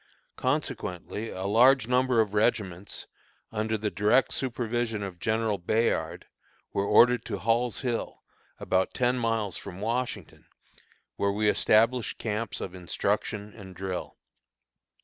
Consequently a large number of regiments, under the direct supervision of General Bayard, were ordered to Hall's Hill, about ten miles from Washington, where we established camps of instruction and drill.